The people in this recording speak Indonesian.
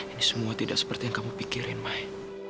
ini semua tidak seperti yang kamu pikirin mai